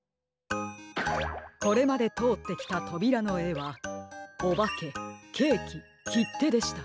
これまでとおってきたとびらのえはおばけケーキきってでした。